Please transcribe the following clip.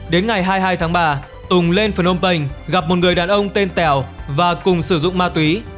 đến ngày hai mươi hai tháng ba tùng lên phnom penh gặp một người đàn ông tên tèo và cùng sử dụng ma túy